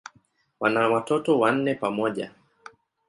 Wana watoto wanne pamoja.